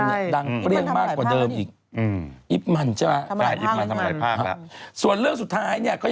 ไม่ได้เล่นต่อแล้วงานนี้นะจบข่าวแยกน้อย